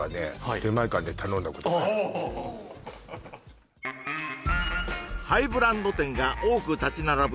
出前館で頼んだことがあるハイブランド店が多く立ち並ぶ